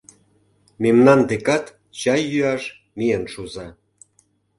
Мемнан декат чай йӱаш миен шуза